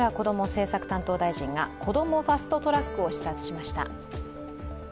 政策担当大臣がこどもファスト・トラックを視察しました。